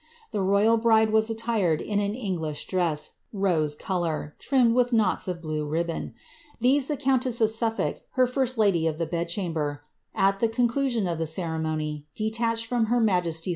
The royal bride was attired in an English dress, rose colour, trimmed with knots of blue ribbon ; these the countess of Suffolk, her first lady of the bed chamber, at tlie conclusion of the ceremony, detached from her majesty^!